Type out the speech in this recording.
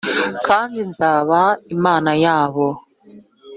kandi nzaba imana yabo